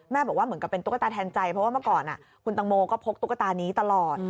บอกว่าเหมือนกับเป็นตุ๊กตาแทนใจเพราะว่าเมื่อก่อนคุณตังโมก็พกตุ๊กตานี้ตลอด